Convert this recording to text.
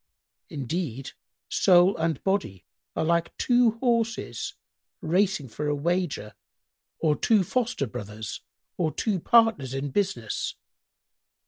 Indeed, soul and body are like two horses racing for a wager or two foster brothers or two partners in business.